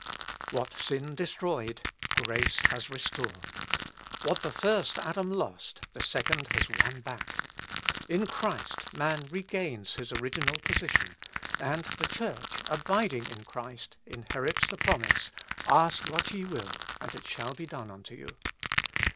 What sin destroyed, grace has restored. What the first Adam lost, the second has won back. In Christ man regains his original position, and the Church, abiding in Christ, inherits the promise: "Ask what ye will, and it shall be done unto you."